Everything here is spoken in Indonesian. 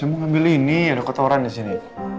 saya mau ngambil ini ada kotoran di sini